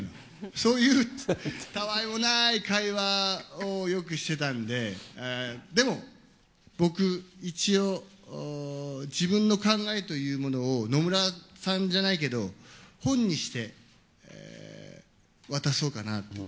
そういうたあいもない会話をよくしてたんで、でも僕、一応自分の考えというものを野村さんじゃないけど、本にして渡そうかなと。